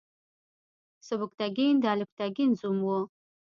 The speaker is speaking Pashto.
سبکتګین د الپتکین زوم و.